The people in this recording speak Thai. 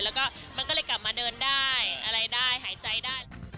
แล้วก็กลับมาเดินได้หายใจได้